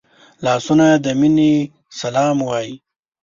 لاسونه د مینې سلام وايي